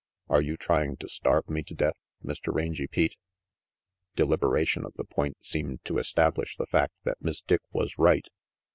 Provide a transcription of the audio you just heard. Are you trying to starve me to death, Mr. Rangy Pete?" Deliberation of the point seemed to establish the fact that Miss Dick was right.